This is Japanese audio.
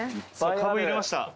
カブ入れました。